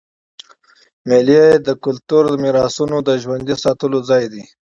مېله د کلتوري میراثونو د ژوندي ساتلو ځای دئ.